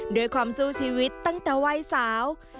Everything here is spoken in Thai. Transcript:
ด้วยความสู้ชีวิตตั้งแต่วัยสาว